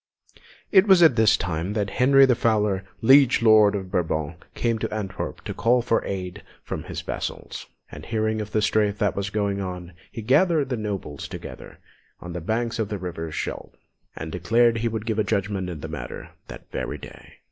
It was just at this time that Henry the Fowler, Liege Lord of Brabant, came to Antwerp to call for aid from his vassals; and hearing of the strife that was going on, he gathered the nobles together on the banks of the river Scheldt, and declared he would give judgment in the matter that very day.